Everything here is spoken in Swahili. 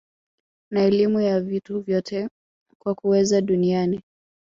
na elimu ya vitu vyote kwa kuweza duniani